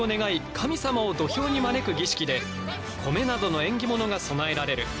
神様を土俵に招く儀式で米などの縁起物が供えられる。